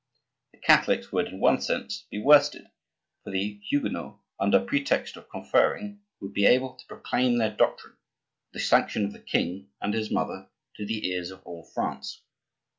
The Catholics would, in one sense be worsted; for the Huguenots, under pretext of conferring, would be able to proclaim their doctrine, with the sanction of the king and his mother, to the ears of all France.